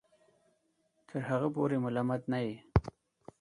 تر هغه پورې ملامت نه یې